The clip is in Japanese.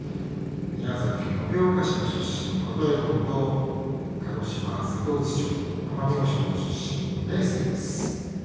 宮崎・延岡市出身の琴恵光と鹿児島・瀬戸内町奄美大島出身の明生です。